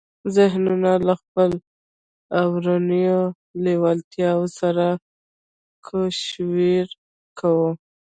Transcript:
ذهنونه له خپلو اورنيو لېوالتیاوو سره کوشير کړو.